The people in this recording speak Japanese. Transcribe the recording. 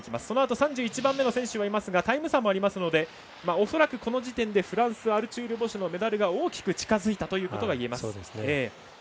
そのあと３１番目の選手がいますがタイム差もありますので恐らく、この時点でフランスアルチュール・ボシェのメダルが大きく近づいたということがいえます。